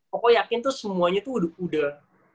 pokoknya yakin tuh semuanya tuh udah